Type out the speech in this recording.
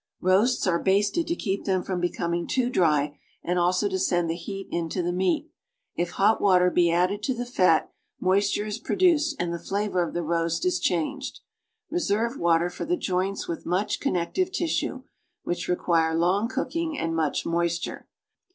Roasts are ))asted to keep them from becoming too dry and also to send the heat into the meat. If hot water be added to the fat, moisture is produced and the flavor of the roast is changed. Reserve water for the joints with much connective tissue, Avhicli require long cooking and much moisture.